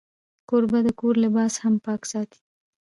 کوربه د کور لباس هم پاک ساتي.